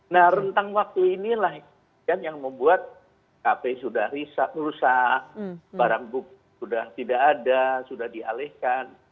nah rentang waktu inilah yang membuat kp sudah merusak barang bukti sudah tidak ada sudah dialihkan